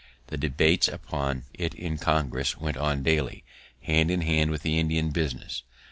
The debates upon it in Congress went on daily, hand in hand with the Indian business.